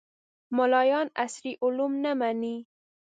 ملایان عصري علوم نه مني